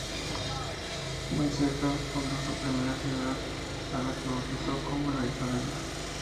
Muy cerca, fundó su primera ciudad a la que bautizó como La Isabela.